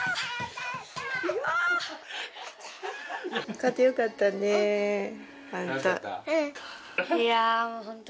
勝ってよかったね、本当。